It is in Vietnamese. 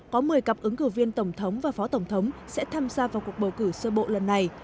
có một mươi cặp ứng cử viên tổng thống và phó tổng thống sẽ tham gia vào cuộc bầu cử sơ bộ lần này